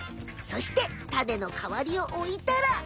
そしてタネのかわりをおいたら。